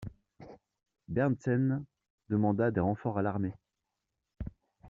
Berntsen demanda des renforts à l'armée.